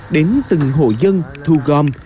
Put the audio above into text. đến từng hộ dân thu gom